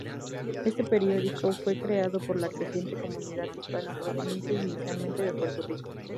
Este periódico fue creado por la creciente comunidad hispana proveniente inicialmente de Puerto Rico.